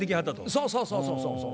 そうそうそうそうそう。